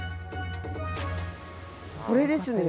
これですね。